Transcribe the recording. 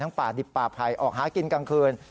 ป่าดิบป่าไผ่ออกหากินกลางคืน